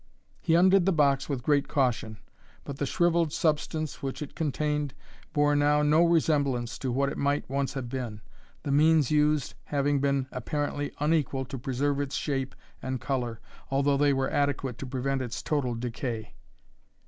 He undid the box with great caution; but the shrivelled substance which it contained bore now no resemblance to what it might once have been, the means used having been apparently unequal to preserve its shape and colour, although they were adequate to prevent its total decay.